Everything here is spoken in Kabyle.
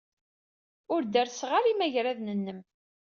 Ur derrseɣ ara imagraden-nnem.